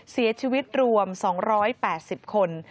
เสียชีวิตรวม๒๘๐คน